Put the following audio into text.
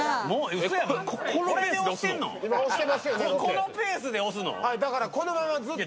このペースで押すの？